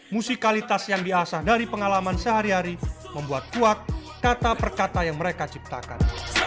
musikalitas yang diasah dari pengalaman sehari hari membuat kuat kata per kata yang mereka ciptakan